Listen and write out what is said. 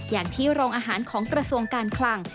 อย่างที่โรงอาหารของกระทรวงการคลัง